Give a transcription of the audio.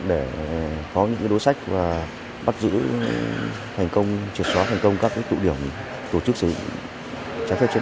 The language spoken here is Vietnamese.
để có những đối sách và bắt giữ truyền xóa thành công các tụ điểm tổ chức